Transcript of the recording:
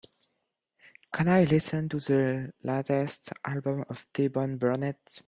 can i lesten to the latest album of T-bone Burnett